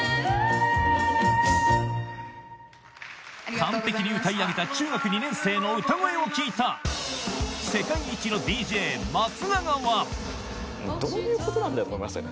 完璧に歌い上げた中学２年生の歌声を聴いた世界一のＤＪ松永はって思いましたね